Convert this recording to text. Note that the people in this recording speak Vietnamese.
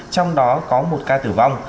trong đó có một ca tử vong